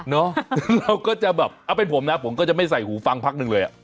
เราก็จะแบบเอาเป็นผมนะผมก็จะไม่ใส่หูฟังพักหนึ่งเลย